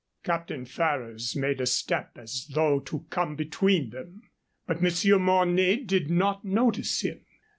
Captain Ferrers made a step as though to come between them, but Monsieur Mornay did not notice him.